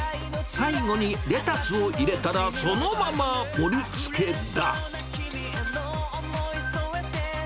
最後にレタスを入れたらそのまま盛りつけだ。